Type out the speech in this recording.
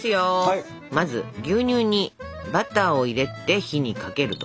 まず牛乳にバターを入れて火にかけると。